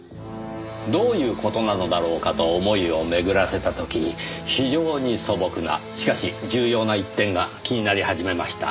どういう事なのだろうかと思いを巡らせた時非常に素朴なしかし重要な一点が気になり始めました。